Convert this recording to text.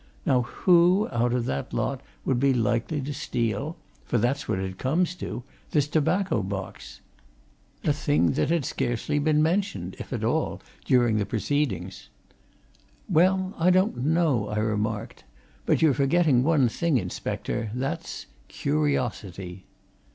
Now, who, out of that lot, would be likely to steal for that's what it comes to this tobacco box? A thing that had scarcely been mentioned if at all during the proceedings!" "Well, I don't know," I remarked. "But you're forgetting one thing, inspector. That's curiosity!"